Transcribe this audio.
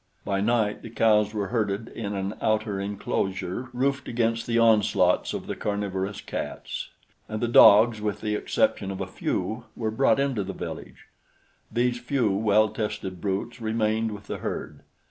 By night the cows were herded in an outer inclosure roofed against the onslaughts of the carnivorous cats; and the dogs, with the exception of a few, were brought into the village; these few well tested brutes remained with the herd.